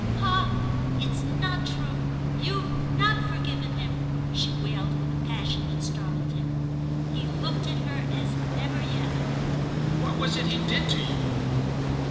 "Ah it's not true—you've not forgiven him!" she wailed with a passion that startled him. He looked at her as never yet. "What was it he did to you?"